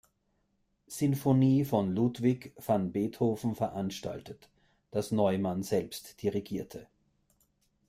Sinfonie von Ludwig van Beethoven veranstaltet, das Neumann selbst dirigierte.